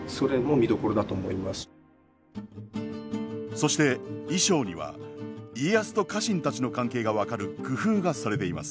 そして衣装には家康と家臣たちの関係が分かる工夫がされています。